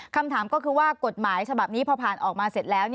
คำถามก็คือว่ากฎหมายฉบับนี้พอผ่านออกมาเสร็จแล้ว